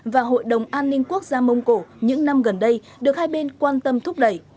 và hội đồng an ninh quốc gia mông cổ những năm gần đây được hai bên quan tâm thúc đẩy